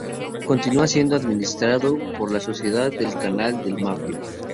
Continúa siendo administrado por la Sociedad del Canal del Maipo.